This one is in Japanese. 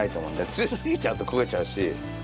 強すぎちゃうと焦げちゃうし。